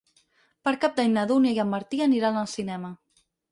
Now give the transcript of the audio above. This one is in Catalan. Per Cap d'Any na Dúnia i en Martí aniran al cinema.